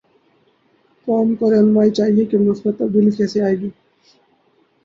قوم کوراہنمائی چاہیے کہ مثبت تبدیلی کیسے آئے گی؟